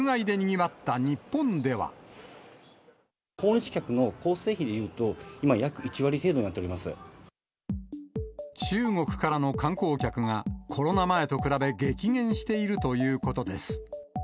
訪日客の構成比でいうと、中国からの観光客が、コロナ前と比べ激減しているということです。